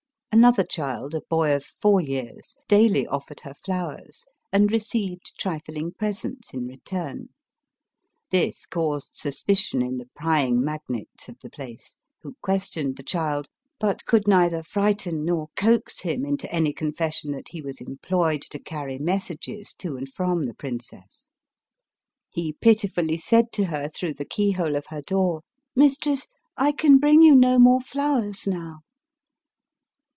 Another child, a boy of four years, daily offered her flowers, and received trifling presents in return ; this caused suspicion in the prying magnates of the place, who questioned the child, but could neither frighten nor coax him into any confession that he was employed to carry messages to and from' the princess. He piti fully said to her, through the key hole of her door, " Mistress, I can bring you no more flowers now."